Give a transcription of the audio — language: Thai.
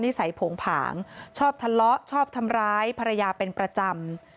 นิสัยโผงผางชอบทะเลาะชอบทำร้ายภรรยาเป็นประจำ